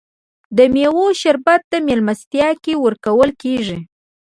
د میوو شربت په میلمستیا کې ورکول کیږي.